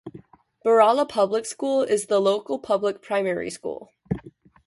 Berala Public School is the local public primary school.